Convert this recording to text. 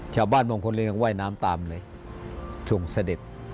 ชาวบ้านบางคนเลยก็ไหว้น้ำตามเลยทรงเสด็จ